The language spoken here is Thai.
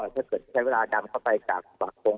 ถ้าเกิดใช้เวลาดำเข้าไปจากฝั่งทง